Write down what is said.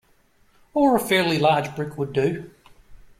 Or a fairly large brick would do.